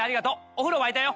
お風呂沸いたよ。